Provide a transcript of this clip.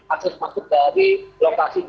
akses masuk dari lokasi tempat api ini